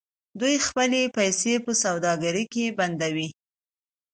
دوی خپلې پیسې په سوداګرۍ کې بندوي.